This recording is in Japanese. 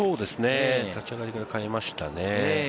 立ち上がりから代えましたね。